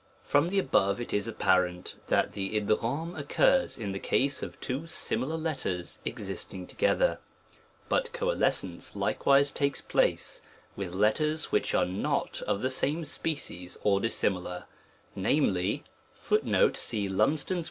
FROM the above it is apparent, that the . o occurs in the case of two similar letters ex * isting together. But coalescence likewise takes place with letters which are not of the same spe PERMUTATIONS OF LETTERS.